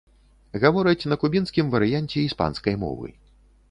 Гавораць на кубінскім варыянце іспанскай мовы.